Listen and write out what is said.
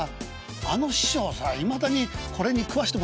「あの師匠さいまだにこれに食わしてもらってんだよ」。